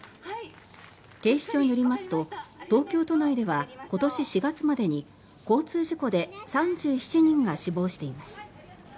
警視庁によりますと東京都内では今年４月までに交通事故で３７人が死亡しています。